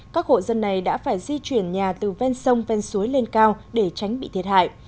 các hộ dân này đã phải di chuyển nhà từ ven sông ven suối lên cao để tránh bị thiệt hại